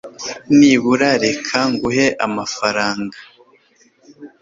nibura reka nguhe amafaranga